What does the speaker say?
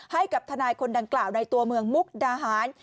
ให้กับทนายคนดังกล่าวในตัวเมืองมุกดาหาร